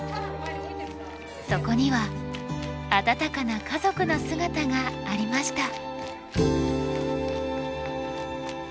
そこには温かな家族の姿がありました。